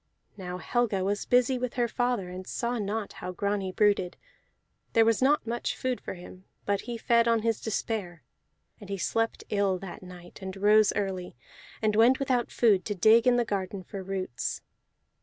Now Helga was busy with her father, and saw not how Grani brooded; there was not much food for him, but he fed on his despair. And he slept ill that night, and rose early, and went without food to dig in the garden for roots.